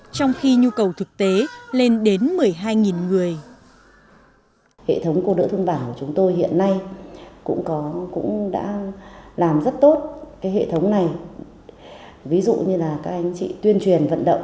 trong khi nhu cầu thực tế